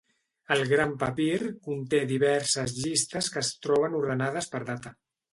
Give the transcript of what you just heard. El gran papir conté diverses llistes que es troben ordenades per data.